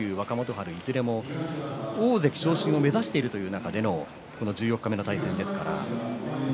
春いずれも大関昇進を目指しているということの中での十四日目の対戦です。